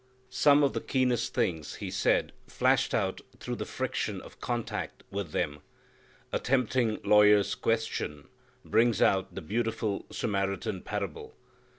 Some of the keenest things He said flashed out through the friction of contact with them. A tempting lawyer's question brings out the beautiful Samaritan parable.